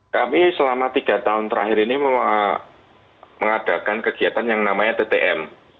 kami selama tiga tahun terakhir ini mengadakan kegiatan yang namanya ttm